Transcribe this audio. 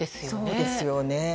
そうですね。